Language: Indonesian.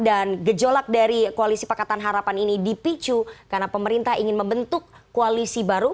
dan gejolak dari koalisi pakatan harapan ini dipicu karena pemerintah ingin membentuk koalisi baru